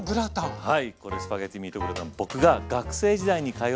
はい。